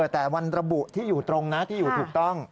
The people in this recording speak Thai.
แต่มันระบุที่อยู่ตรงนะที่อยู่ถูกต้อง